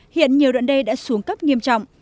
hiện nhiều đoạn đê đã xuống cấp nghiêm trọng